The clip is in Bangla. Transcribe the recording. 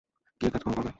গিয়ে কাজকাম কর গা।